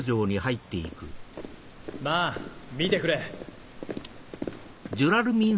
まぁ見てくれ。